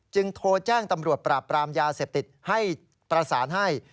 โทรแจ้งตำรวจปราบปรามยาเสพติดให้ประสานให้